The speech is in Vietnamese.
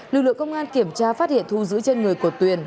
lực lượng công an kiểm tra phát hiện thu giữ trên người của tuyền